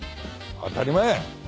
当たり前や！